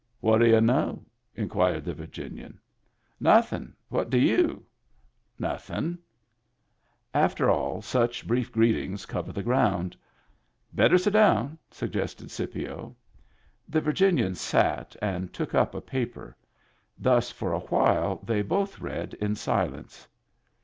" What d' y'u know? " inquired the Virginian. " Nothing; what do you ?"" Nothing." Digitized by Google HAPPy TEETH 35 After all, such brief greetings cover the ground. " Better sit down/* suggested Scipio. The Virginian sat, and took up a paper. Thus for a little while they both read in silence.